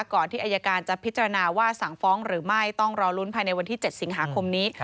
ที่อายการจะพิจารณาว่าสั่งฟ้องหรือไม่ต้องรอลุ้นภายในวันที่๗สิงหาคมนี้